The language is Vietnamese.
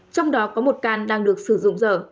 trong đó có một can đang được sử dụng dở